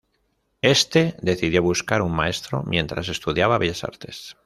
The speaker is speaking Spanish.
Este, decidió buscar un maestro mientras estudiaba bellas artes.